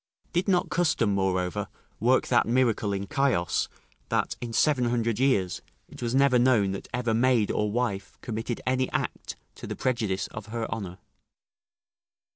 Did not custom, moreover, work that miracle in Chios that, in seven hundred years, it was never known that ever maid or wife committed any act to the prejudice of her honour?